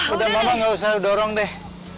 udah mama gak usah dorong deh